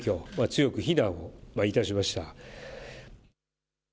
強く非難をいたしました。